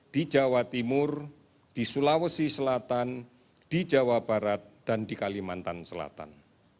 di jawa timur di sulawesi selatan di jawa barat dan di kalimantan selatan